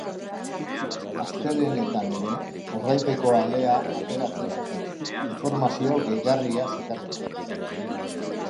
Astelehenetan ere ordainpeko alea ateratzen zuten, informazio gehigarria zekarrena.